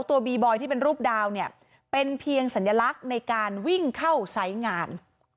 บีบอยที่เป็นรูปดาวเนี่ยเป็นเพียงสัญลักษณ์ในการวิ่งเข้าไซส์งาน